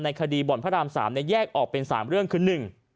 คดีบ่อนพระรามสามเนี่ยแยกออกเป็นสามเรื่องคือหนึ่ง